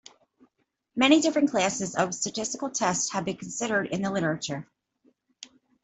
Many different classes of statistical tests have been considered in the literature.